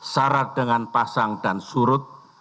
syarat dengan pasang dan surut